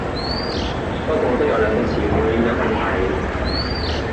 不過都有兩個詞彙有問題